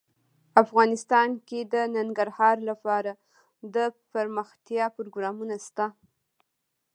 افغانستان کې د ننګرهار لپاره دپرمختیا پروګرامونه شته.